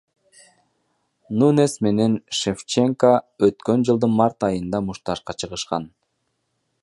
Нунес менен Шевченко өткөн жылдын март айында мушташка чыгышкан.